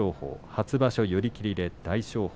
初場所は寄り切りで大翔鵬。